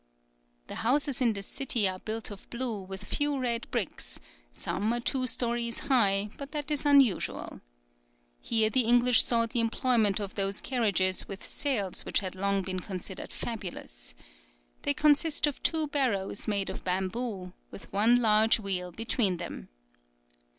The houses in this city are built of blue with a few red bricks, some are two stories high, but that is unusual. Here the English saw the employment of those carriages with sails which had long been considered fabulous. They consist of two barrows made of bamboo, with one large wheel between them.